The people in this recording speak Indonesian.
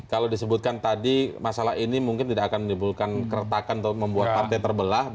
kalau disebutkan tadi masalah ini mungkin tidak akan menimbulkan keretakan atau membuat partai terbelah